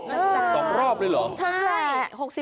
๒รอบเลยเหรอใช่